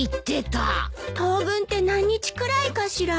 当分って何日くらいかしら？